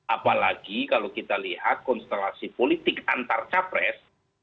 apalagi kalau kita lihat konstelasi politik antar capres